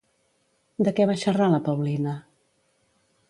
De què va xerrar la Paulina?